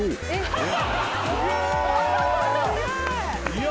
いや。